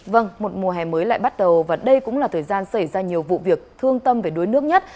vâng một mùa hè mới lại bắt đầu và đây cũng là thời gian xảy ra nhiều vụ việc thương tâm về đuối nước nhất